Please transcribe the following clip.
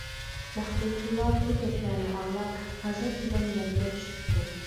مەختۇمسۇلا بۇ گەپلەرنى ئاڭلاپ غەزەپ بىلەن يەرگە چۈشۈپتۇ.